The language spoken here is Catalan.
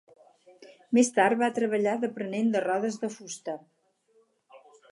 Més tard va treballar d'aprenent de rodes de fusta.